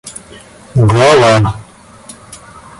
глава